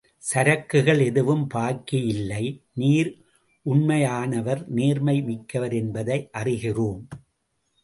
சரக்குகள் எதுவும் பாக்கி இல்லை நீர் உண்மையானவர் நேர்மை மிக்கவர் என்பதை அறிகிறோம்.